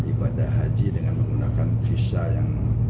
ibadah haji dengan menggunakan visa yang